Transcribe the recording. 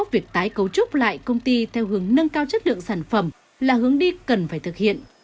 việc tái cấu trúc lại công ty theo hướng nâng cao chất lượng sản phẩm là hướng đi cần phải thực hiện